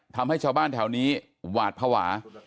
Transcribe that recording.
ทำให้ชาวบ้านแถวนี้หวาดภาวะ